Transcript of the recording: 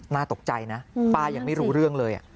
น่าตกใจนะป้ายังไม่รู้เรื่องเลย